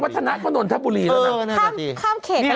แจ้งปัฒนะกบนโนทบุรีแล้วนะ